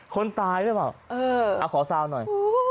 คนตายหรือเปล่าขอซาวหน่อย